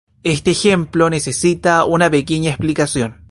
Este ejemplo necesita una pequeña explicación.